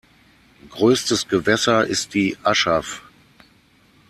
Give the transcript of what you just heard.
Größtes Gewässer ist die Aschaff.